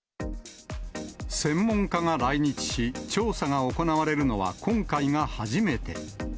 専門家が来日し、調査が行われるのは今回が初めて。